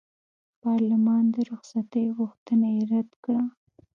پارلمان د رخصتۍ غوښتنه یې رد کړه.